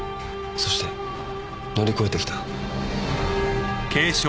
そして乗り越えてきた。